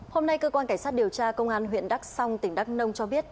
hôm nay cơ quan cảnh sát điều tra công an huyện đắc song tỉnh đắc nông cho biết